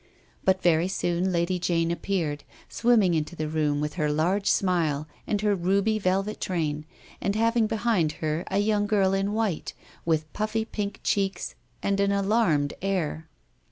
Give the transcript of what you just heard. But very soon Lady Jane appeared, swim ming into the room with her laige smile, and her ruby velvet train, and having behind her a young girl in white, with puffy pink cheeks and an alarmed air.